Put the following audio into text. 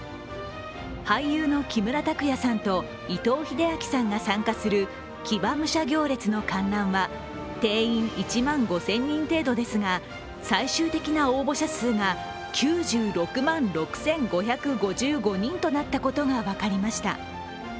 俳優の木村拓哉さんと伊藤英明さんが参加する騎馬武者行列の観覧は定員１万５０００人程度ですが、最終的な応募者数が９６万６５５５人となったことが分かりました。